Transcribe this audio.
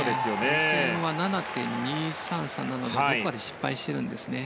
予選は７．２３３なのでどこかで失敗しているんですね。